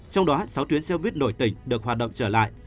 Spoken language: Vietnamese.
trong đó sáu tuyến xe buýt nổi tình được hoạt động trở lại